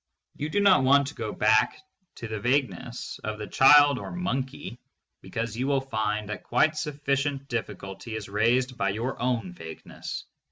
You do not want to go back to the vagueness of the child or monkey, because you will find that quite sufficient difficulty is raised by your own vagueness.